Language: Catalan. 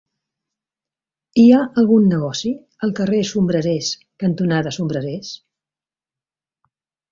Hi ha algun negoci al carrer Sombrerers cantonada Sombrerers?